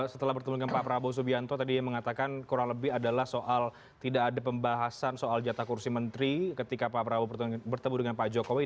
setelah bertemu dengan pak prabowo subianto tadi yang mengatakan kurang lebih adalah soal tidak ada pembahasan soal jatah kursi menteri ketika pak prabowo bertemu dengan pak jokowi